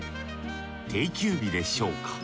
定休日でしょうか？